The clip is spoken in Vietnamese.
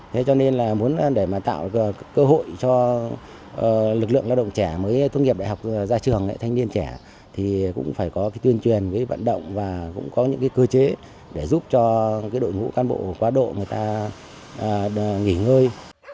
thế cho nên là muốn để mà tạo cơ hội cho lực lượng lao động trẻ mới tốt nghiệp đại học ra trường lại thanh niên trẻ thì cũng phải có cái tuyên truyền vận động và cũng có những cái cơ chế để giúp cho đội ngũ cán bộ quá độ người ta nghỉ ngơi